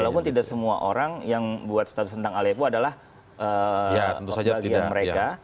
walaupun tidak semua orang yang buat status tentang alepo adalah bagian mereka